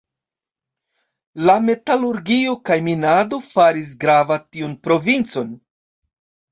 La metalurgio kaj minado faris grava tiun provincon.